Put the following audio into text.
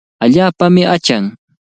Allaapami achan.